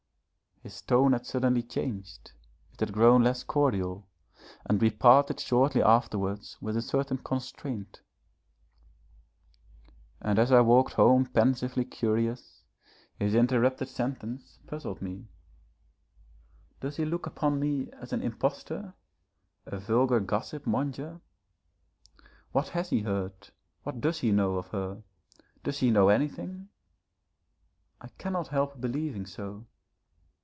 His tone had suddenly changed, it had grown less cordial, and we parted shortly afterwards with a certain constraint. And as I walked home pensively curious, his interrupted sentence puzzled me. Does he look upon me as an impostor, a vulgar gossip monger? What has he heard, what does he know of her? Does he know anything? I cannot help believing so.